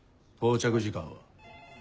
到着時間は？